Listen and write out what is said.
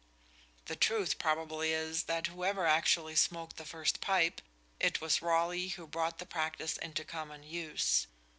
The truth probably is that whoever actually smoked the first pipe, it was Raleigh who brought the practice into common use.